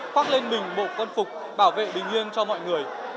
khoác lên mình bộ quân phục bảo vệ bình yên cho mọi người